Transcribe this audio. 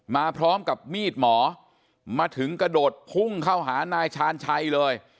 มาพร้อมกับมีดหมอมาถึงกระโดดพุ่งเข้าหานายชาญชัยเลย